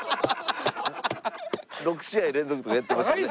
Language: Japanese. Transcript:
６試合連続とかやってましたもんね。